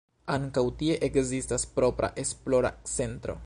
Ankaŭ tie ekzistas propra esplora centro.